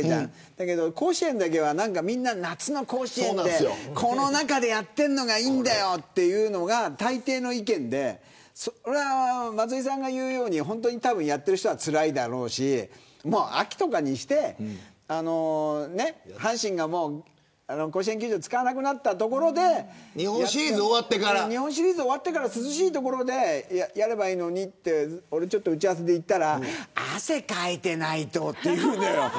ただ甲子園だけは夏の甲子園はこの中でやってるのがいいんだよというのが大抵の意見で松井さんが言うようにやってる人はつらいだろうし秋とかにして阪神が甲子園球場を使わなくなったところで日本シリーズが終わってから涼しい所でやればいいのにって俺が打ち合わせで言ったら汗かいてないとって言うのよ。